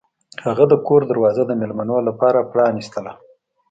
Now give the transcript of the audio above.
هغه د کور دروازه د میلمنو لپاره پرانیستله.